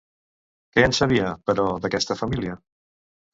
Què en sabia, però, d'aquesta família?